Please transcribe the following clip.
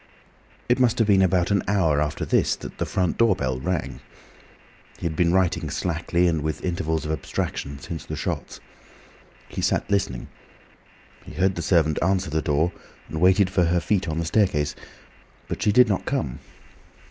It must have been about an hour after this that the front door bell rang. He had been writing slackly, and with intervals of abstraction, since the shots. He sat listening. He heard the servant answer the door, and waited for her feet on the staircase, but she did not come.